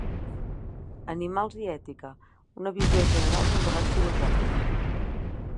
"Animals i ètica: una visió general del debat filosòfic".